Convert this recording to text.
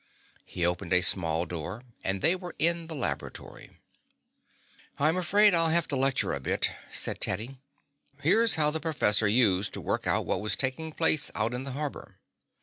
He opened a small door and they were in the laboratory. "I'm afraid I'll have to lecture a bit," said Teddy. "Here's how the professor used to work out what was taking place out in the harbor."